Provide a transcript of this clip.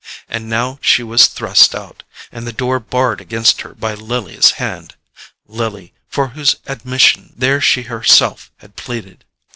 And now she was thrust out, and the door barred against her by Lily's hand! Lily, for whose admission there she herself had pleaded!